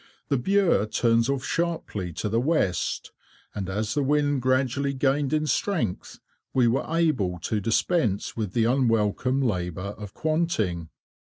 The Bure turns off sharply to the west, and as the wind gradually gained in strength, we were able to dispense with the unwelcome labour of quanting.